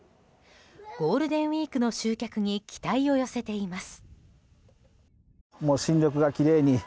ゴールデンウィークの集客に期待を寄せています。